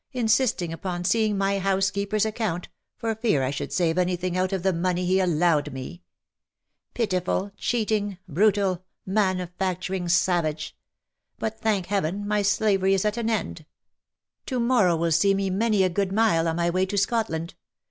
insisting upon seeing my housekeeper's account, for fear I should save any thing out of the money he allowed me ! Pitiful, cheating, brutal, manufacturing savage ! But thank Heaven ! my slavery is at an end! — To morrow will see me many a good mile on my way to Scotland